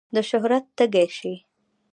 د شهرت تږی شي.